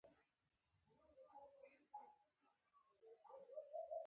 دوکاندار د دوکان دروازه په ادب خلاصوي.